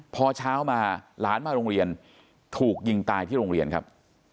พอเช้ามาหลานมาโรงเรียนถูกยิงตายที่โรงเรียนครับ